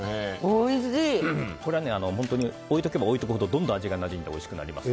これは置いとけば置いとくほどどんどん味がなじんでおいしくなります。